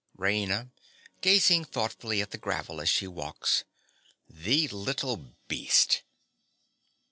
RAINA. (gazing thoughtfully at the gravel as she walks). The little beast!